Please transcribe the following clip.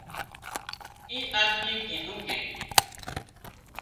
اي آۮميئي ڪيڌون ڪي